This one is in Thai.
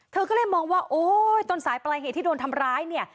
เธอก็เลยมองว่าโอ๊ยต้นสายปลายเหตุที่โดนทำร้ายเนี่ย